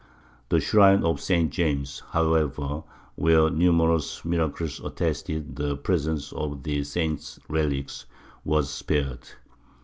The shrine of St. James, however, where numerous miracles attested the presence of the saint's relics, was spared.